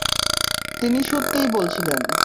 তিনি সত্যিই বলছিলেন।